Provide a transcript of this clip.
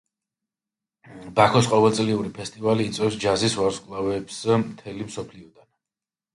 ბაქოს ყოველწლიური ფესტივალი იწვევს ჯაზის ვარსკვლავებს მთელი მსოფლიოდან.